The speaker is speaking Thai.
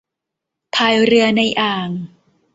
พายเรือในอ่าง